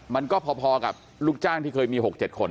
มันก็พอกับลูกจ้างที่เคยมี๖๗คน